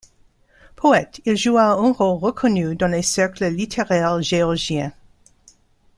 Poète, il joua un rôle reconnu dans les cercles littéraires géorgiens.